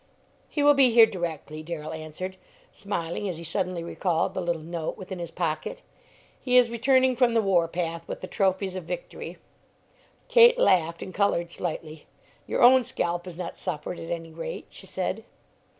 "He will be here directly," Darrell answered, smiling as he suddenly recalled the little note within his pocket; "he is returning from the war path with the trophies of victory." Kate laughed and colored slightly. "Your own scalp has not suffered, at any rate," she said.